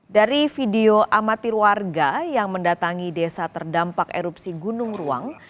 dari video amatir warga yang mendatangi desa terdampak erupsi gunung ruang